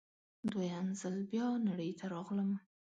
دوه یم ځل بیا نړۍ ته راغلم